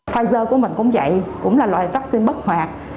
pfizer của mình cũng vậy cũng là loại vắc xin bất hoạt